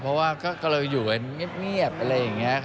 เพราะว่าก็อยู่เงียบอะไรอย่างนี้